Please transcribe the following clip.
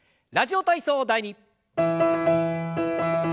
「ラジオ体操第２」。